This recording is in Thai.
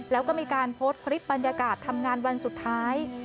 แล้วก็มีการโพสต์คลิปบรรยากาศทำงานวันสุดท้าย